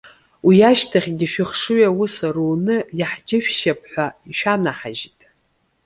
Уи ашьҭахьгьы, шәыхшыҩ аус аруны иаҳџьышәшьап ҳәа ишәанаҳажьит.